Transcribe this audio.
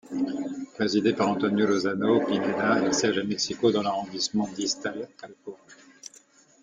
Présidée par Antonio Lozano Pineda, elle siège à Mexico, dans l'arrondissement d'Iztacalco.